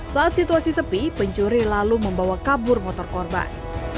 saat situasi sepi pencuri lalu membawa kabur motor korban